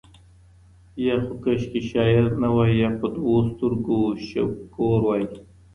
یا خو کشکي شاعر نه وای یا په دوو سترګو شمکور وای